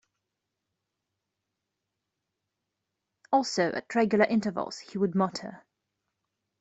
Also, at regular intervals, he would mutter.